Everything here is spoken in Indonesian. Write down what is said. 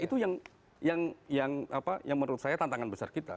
itu yang menurut saya tantangan besar kita